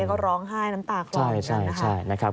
ก็ร้องไห้น้ำตากล่อนกันนะครับ